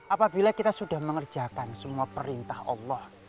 apabila kita sudah mengerjakan semua perintah allah